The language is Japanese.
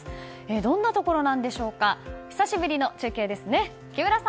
どんなところなんでしょうか。